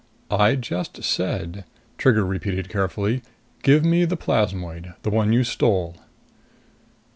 "I just said," Trigger repeated carefully, "give me the plasmoid. The one you stole."